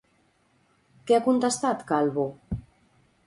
Què ha contestat Calvo?